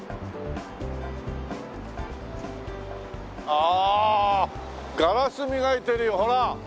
ああガラス磨いてるよほら。